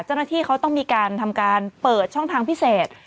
เจ้าหน้าที่เขาต้องมีการทำการเปิดช่องทางพิเศษ